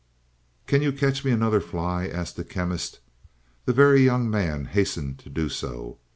"Can you catch me another fly?" asked the Chemist. The Very Young Man hastened to do so.